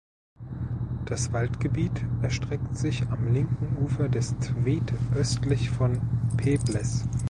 Das Waldgebiet erstreckt sich am linken Ufer des Tweed östlich von Peebles.